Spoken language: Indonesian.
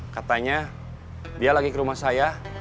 katanya dia lagi ke rumah saya